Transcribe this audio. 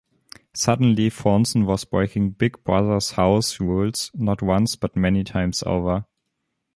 Suddenly, Franzen was breaking Big Brother's house rules, not once, but many times over.